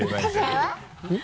うん？